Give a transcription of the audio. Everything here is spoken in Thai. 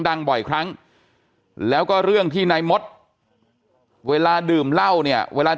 ดังบ่อยครั้งแล้วก็เรื่องที่นายมดเวลาดื่มเหล้าเนี่ยเวลา